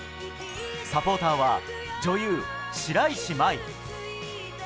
サポーターは女優、白石麻衣。